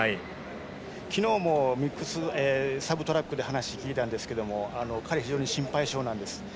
昨日もサブトラックで話を聞いたんですが彼、非常に心配性なんです。